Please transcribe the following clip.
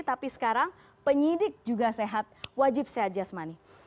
tapi sekarang penyidik juga sehat wajib sehat jasmani